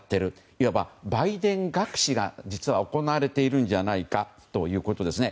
いわばバイデン隠しが実は行われているんじゃないかということですね。